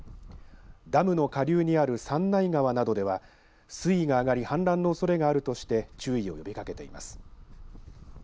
ダムの下流にある三内川などでは水位が上がり氾濫のおそれがあるとして注意を呼びかけています。